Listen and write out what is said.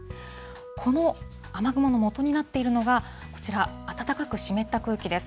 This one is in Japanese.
この雨雲のもとになっているのが、こちら、暖かく湿った空気です。